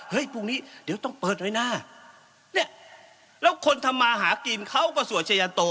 พรุ่งนี้เดี๋ยวต้องเปิดเลยนะเนี่ยแล้วคนทำมาหากินเขาก็สวดชายาโต